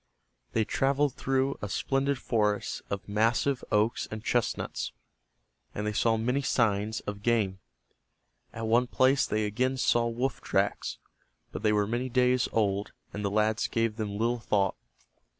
They traveled through a splendid forest of massive oaks and chestnuts, and they saw many signs of game. At one place they again saw wolf tracks, but they were many days old and the lads gave them little thought.